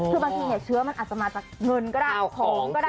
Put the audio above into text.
คือบางทีเชื้อมันอาจจะมาจากเงินก็ได้ของก็ได้